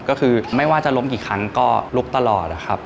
ก็คือไม่ว่าจะล้มกี่ครั้งก็ลุกตลอดนะครับ